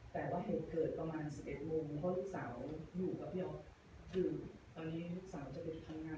แต่ว่าเหตุเกิดประมาณ๑๑โมงเพราะลูกสาวอยู่กับพี่อ๊อฟคือตอนนี้ลูกสาวจะไปพังงา